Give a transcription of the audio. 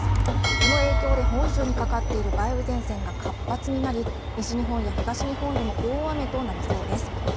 この影響で本州にかかっている場合前線が活発になり、西日本や東日本でも大雨となりそうです。